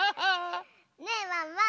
ねえワンワン！